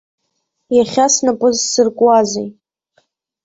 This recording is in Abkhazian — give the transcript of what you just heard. Иахьа снапы зсыркуазеи?